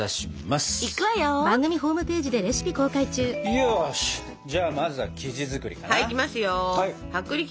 よしじゃあまずは生地作りかな。